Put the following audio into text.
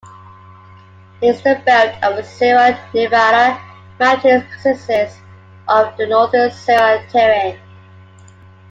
The eastern belt of the Sierra Nevada mountains consists of the Northern Sierra Terrane.